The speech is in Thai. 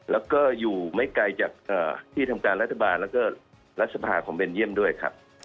แล้วก็อยู่ไม่ไกลจากที่ทำการรัฐบาลแล้วก็รัฐสภาของเบนเยี่ยมด้วยครับ